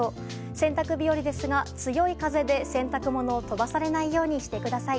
洗濯日和ですが強い風で洗濯物を飛ばされないようにしてください。